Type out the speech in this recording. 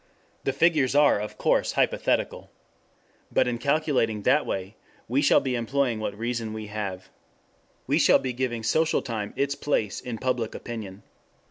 The figures are, of course, hypothetical. But in calculating that way we shall be employing what reason we have. We shall be giving social time its place in public opinion.